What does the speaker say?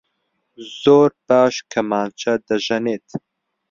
زۆر باش کەمانچە دەژەنێت.